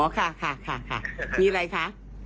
อ๋อค่ะพี่อะไรคะ